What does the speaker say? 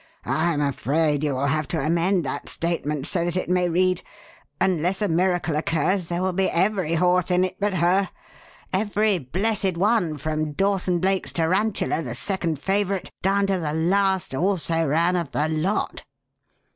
"I'm afraid you will have to amend that statement so that it may read, 'unless a miracle occurs there will be every horse in it but her' every blessed one from Dawson Blake's Tarantula, the second favourite, down to the last 'also ran' of the lot."